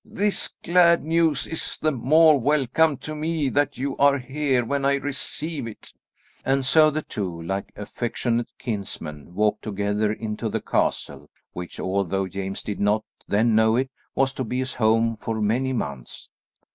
This glad news is the more welcome to me that you are here when I receive it." And so the two, like affectionate kinsmen, walked together into the castle which, although James did not then know it, was to be his home for many months.